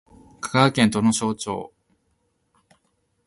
香川県土庄町